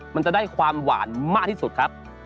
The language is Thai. มันจะได้ความหวานมากที่สุดครับ